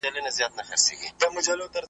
چي تر څو په دې وطن کي نوم د پیر وي .